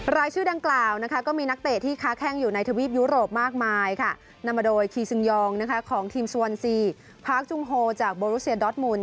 รายชื่อดังกล่าวก็มีนักเตะที่ค่าแค่งอยู่ในทะวิบยุโรปมากมายค่ะนำมาโดยของทีมจูงโฮจากครับ